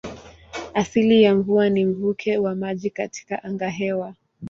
Asili ya mvua ni mvuke wa maji katika angahewa.